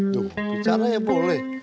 bicara ya boleh